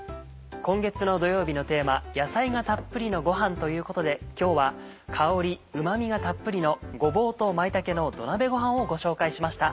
今月の土曜日のテーマ野菜がたっぷりのごはんということで今日は香りうま味がたっぷりの「ごぼうと舞茸の土鍋ごはん」をご紹介しました。